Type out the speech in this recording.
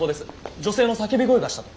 女性の叫び声がしたと。